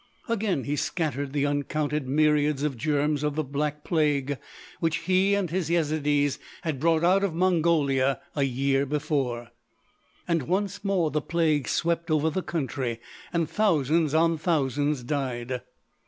Again he scattered the uncounted myriads of germs of the Black Plague which he and his Yezidees had brought out of Mongolia a year before; and once more the plague swept over the country, and thousands on thousands died.